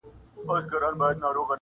شپانه څرنگه په دښت كي مېږي پيايي.!